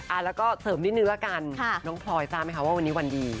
แล้วก็เสริมนิดนึงละกันน้องพลอยทราบไหมคะว่าวันนี้วันดี